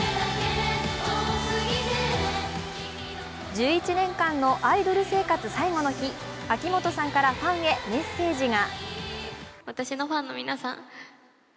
１１年間のアイドル生活最後の日、秋元さんからファンへのメッセージが。